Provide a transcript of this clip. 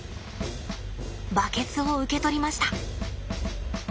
バケツを受け取りました。